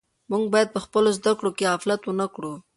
موږ باید په خپلو زده کړو کې غفلت ونه کړو.